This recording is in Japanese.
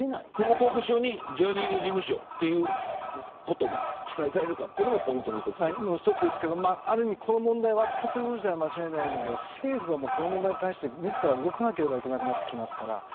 報告書にジャニーズ事務所ということが記載されるかある意味、この問題を扱っていることは間違いないんで政府が自ら動かなければいけなくなってきます。